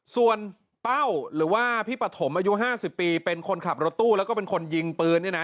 ส่วนเป้าหรือว่าพี่ปฐมอายุ๕๐ปีเป็นคนขับรถตู้แล้วก็เป็นคนยิงปืนเนี่ยนะ